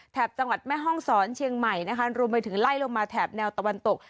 แถบจังหวัดแม่ฮ่องศรเชียงใหม่และมีการไล่ลงมาแถบแนวตะวันตก